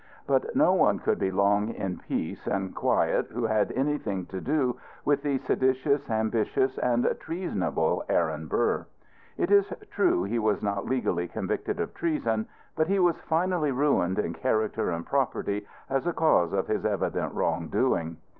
But no one could be long in peace and quiet who had anything to do with the seditious, ambitious, and treasonable Aaron Burr. It is true he was not legally convicted of treason, but he was finally ruined in character and property, as a cause of his evident wrong doing.